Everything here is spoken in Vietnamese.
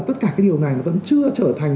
tất cả cái điều này nó vẫn chưa trở thành